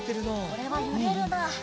これはゆれるな。